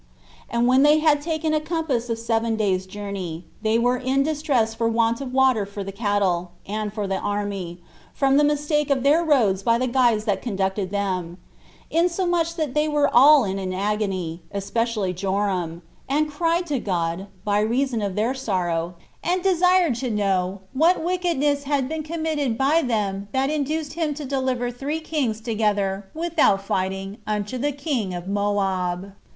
And when they had taken a compass of seven days' journey, they were in distress for want of water for the cattle, and for the army, from the mistake of their roads by the guides that conducted them, insomuch that they were all in an agony, especially Joram; and cried to God, by reason of their sorrow, and [desired to know] what wickedness had been committed by them that induced him to deliver three kings together, without fighting, unto the king of Moab.